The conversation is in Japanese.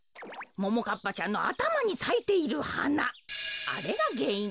ももかっぱちゃんのあたまにさいているはなあれがげんいんかもよ。